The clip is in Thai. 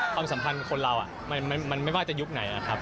ความสำคัญของคนเรามันไม่ว่าจะยุคไหนนะครับ